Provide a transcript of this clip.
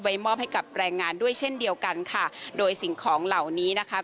มอบให้กับแรงงานด้วยเช่นเดียวกันค่ะโดยสิ่งของเหล่านี้นะคะ